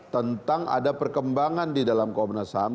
tentang ada perkembangan di dalam komnas ham